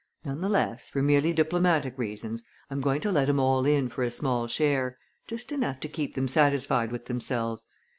None the less, for merely diplomatic reasons, I'm going to let 'em all in for a small share. Just enough to keep them satisfied with themselves.